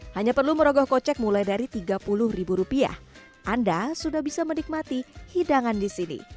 hanya perlu merogoh kocek mulai dari tiga puluh ribu rupiah anda sudah bisa menikmati hidangan di sini